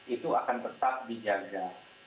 itu akan tetap dijaga